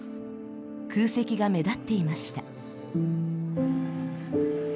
空席が目立っていました。